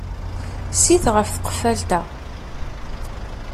Sit ɣef tqeffalt-a.